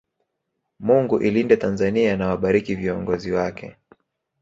Mungu ilinde Tanzania na wabariki viongozi wake